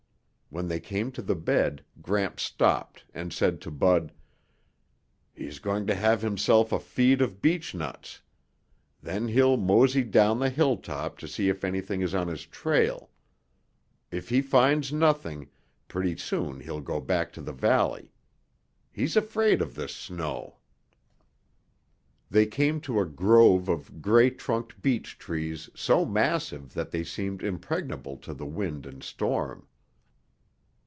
When they came to the bed, Gramps stopped and said to Bud, "He's going to have himself a feed of beech nuts. Then he'll mosey down the hilltop to see if anything is on his trail. If he finds nothing, pretty soon he'll go back to the valley. He's afraid of this snow." They came to a grove of gray trunked beech trees so massive that they seemed impregnable to the wind and storm.